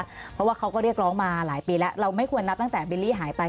เพราะว่าเขาก็เรียกร้องมาหลายปีแล้วเราไม่ควรนับตั้งแต่บิลลี่หายไป